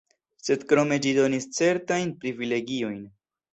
Sed krome ĝi donis certajn privilegiojn.